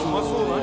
何？